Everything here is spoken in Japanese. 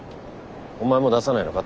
お前も出さないのか？